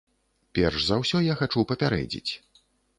Перш за ўсё я хачу папярэдзіць.